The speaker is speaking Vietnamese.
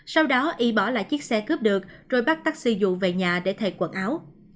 sau đó y bỏ lại chiếc xe cướp được rồi bắt taxi dụ về nhà để thay quần áo